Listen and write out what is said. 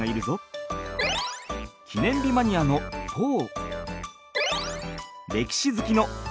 ぼくは記念日マニアのポー。